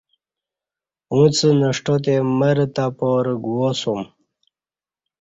اݩڅ نݜٹہ تے مرہ تہ پارہ گوا سوم